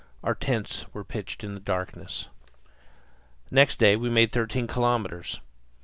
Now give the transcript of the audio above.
Our tents were pitched in the darkness. Next day we made thirteen kilometres.